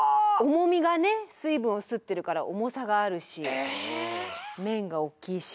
重みがね水分を吸ってるから重さがあるし面が大きいし。